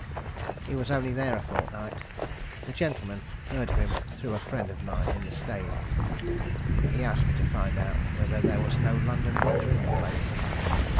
He was only there a fortnight. The gentleman heard of him through a friend of mine in the Steyne. He asked me to find out whether there was no London doctor in the place.